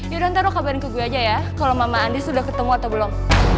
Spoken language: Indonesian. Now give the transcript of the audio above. yaudah ntar kabarin ke gue aja ya kalau mama andi sudah ketemu atau belum